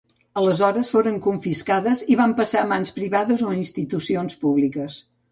Aleshores, foren confiscades i van passar a mans privades o institucions públiques.